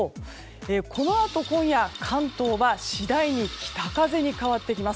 このあと、今夜、関東は次第に北風に変わってきます。